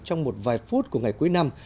trong một vài phút của ngày cuối năm